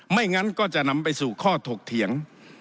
งั้นก็จะนำไปสู่ข้อถกเถียง